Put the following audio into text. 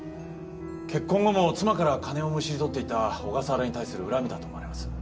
結婚後も妻から金をむしり取っていた小笠原に対する恨みだと思われます。